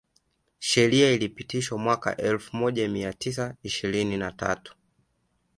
Sheria ilipitishwa mwaka elfu moja mia tisa ishirini na tatu